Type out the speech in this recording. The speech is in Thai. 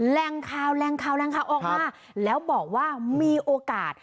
แรงข่าวแรงข่าวแรงข่าวออกมาแล้วบอกว่ามีโอกาส